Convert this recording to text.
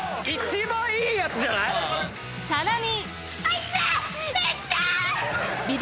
［さらに］